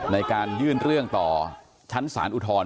ในการยื่นเรื่องต่อชั้นศาลอุทธรณ์